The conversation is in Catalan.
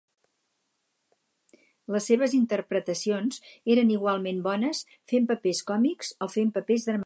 Les seves interpretacions eren igualment bones fent papers còmics o fent papers dramàtics.